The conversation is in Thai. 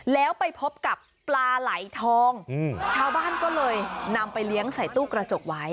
แล้วไปพบกับปลาไหลทองชาวบ้านก็เลยนำไปเลี้ยงใส่ตู้กระจกไว้